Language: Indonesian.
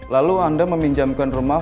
lalu anda meminjamkan rumah